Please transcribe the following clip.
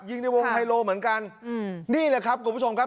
ในวงไฮโลเหมือนกันอืมนี่แหละครับคุณผู้ชมครับ